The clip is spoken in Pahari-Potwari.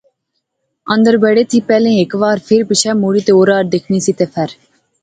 اندر بڑے تھی پہلے ہیک وار فیر پچھے مڑی تہ اورار دیکھنی سی تہ فیر